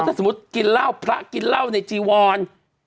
ถ้าสมมุติพระกินเหล้าในจีวัล